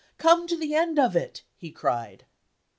"Come to the end of it," he cried.